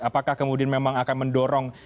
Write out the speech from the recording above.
apakah kemudian akan mendorong